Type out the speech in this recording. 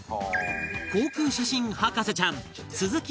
航空写真博士ちゃん鈴木